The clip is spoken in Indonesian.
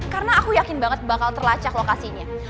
karena aku yakin banget bakal terlacak lokasinya